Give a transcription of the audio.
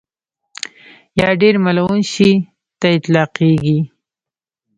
یا ډېر ملعون شي ته اطلاقېږي.